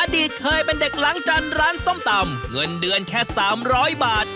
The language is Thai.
อดีตเคยเป็นเด็กล้างจันทร์ร้านส้มตำเงินเดือนแค่๓๐๐บาท